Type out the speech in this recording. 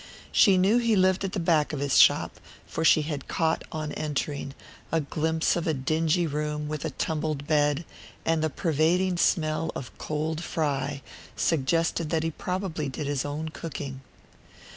She knew he lived at the back of his shop, for she had caught, on entering, a glimpse of a dingy room with a tumbled bed; and the pervading smell of cold fry suggested that he probably did his own cooking.